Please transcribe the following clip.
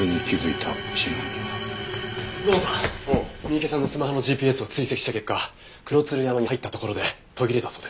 三池さんのスマホのＧＰＳを追跡した結果黒鶴山に入ったところで途切れたそうです。